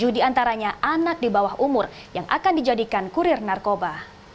tujuh diantaranya anak di bawah umur yang akan dijadikan kurir narkoba